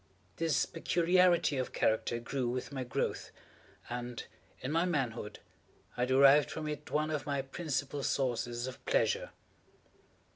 This peculiarity of character grew with my growth, and in my manhood, I derived from it one of my principal sources of pleasure.